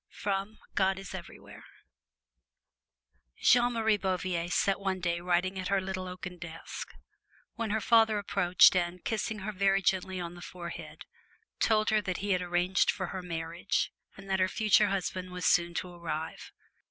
God Is Everywhere [Illustration: MADAME GUYON] Jeanne Marie Bouvier sat one day writing at her little oaken desk, when her father approached and, kissing her very gently on the forehead, told her that he had arranged for her marriage, and that her future husband was soon to arrive.